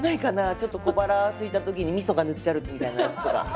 ちょっと小腹すいた時にみそが塗ってあるみたいなやつとか。